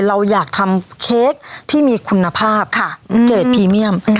เราอยากทำเค้กที่มีคุณภาพเกรดพรีเมียม